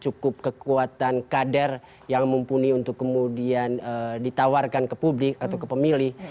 cukup kekuatan kader yang mumpuni untuk kemudian ditawarkan ke publik atau ke pemilih